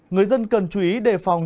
người dân cần chú ý đề phòng